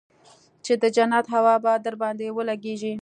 چې د جنت هوا به درباندې ولګېږي.